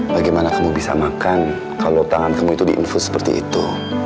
bagaimana kamu bisa makan kalau tangan kamu itu diinfus seperti itu